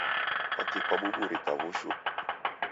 Kwaki kwabuburika w'ushu?